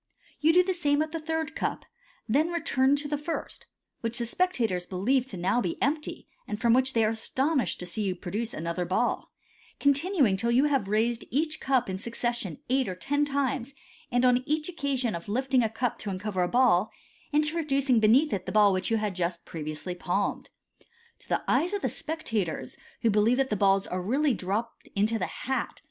You do the same with the third cup, then return to the first (which the spectators believe to be now empty, and from which they are astonished to see you produce another ball), continuing till you have raised each cup in succession eight or ten times, and, on each occasion of lifting a cup to uncover a ball, introducing beneath it the ball which you had just previously palmed. To the eyes of the spectators, who believe that the balls are really dropped into the hai.